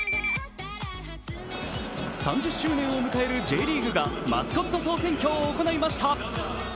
３０周年を迎えるＪリーグがマスコット総選挙を行いました。